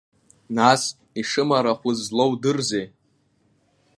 Нас ишымараҳәыз злоудырзеи?